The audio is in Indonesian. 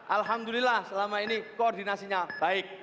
alhamdulillah selama ini koordinasinya baik